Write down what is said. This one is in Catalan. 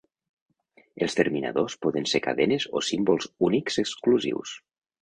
Els terminadors poden ser cadenes o símbols únics exclusius.